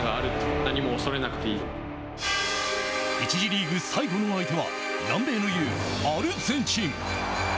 １次リーグ最後の相手は南米の雄アルゼンチン。